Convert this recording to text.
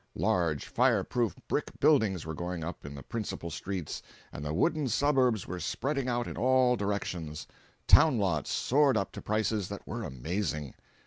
Large fire proof brick buildings were going up in the principal streets, and the wooden suburbs were spreading out in all directions. Town lots soared up to prices that were amazing.